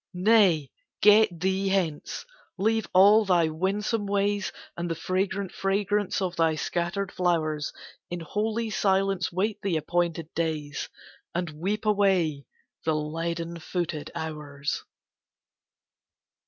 Nay, get thee hence! Leave all thy winsome ways And the faint fragrance of thy scattered flowers: In holy silence wait the appointed days, And weep away the leaden footed hours.